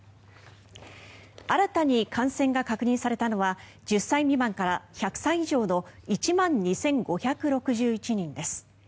新たに感染が確認されたのは１０歳未満から１００歳以上の１万２５６１人です。